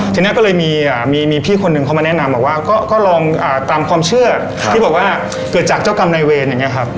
ทีนี้ก็เลยมีพี่คนหนึ่งเขามาแนะนำบอกว่าก็ลองตามความเชื่อที่บอกว่าเกิดจากเจ้ากรรมนายเวรอย่างนี้ครับ